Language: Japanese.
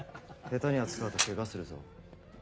下手に扱うとケガするぞ。